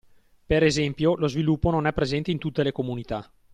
Per esempio lo sviluppo non è presente in tutte le comunità.